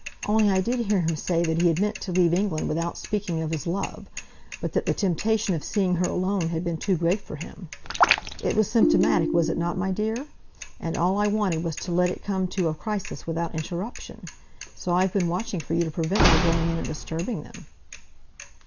Only I did hear him say that he had meant to leave England without speaking of his love, but that the temptation of seeing her alone had been too great for him. It was symptomatic, was it not, my dear? And all I wanted was to let it come to a crisis without interruption. So I've been watching for you to prevent your going in and disturbing them."